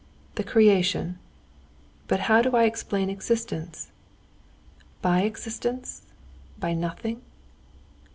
"The Creation? But how did I explain existence? By existence? By nothing?